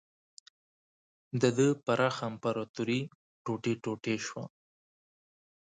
د ده پراخه امپراتوري ټوټې ټوټې شوه.